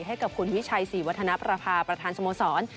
ให้กับคุณวิชัยศรีวัฒนประพาประธานสโมสร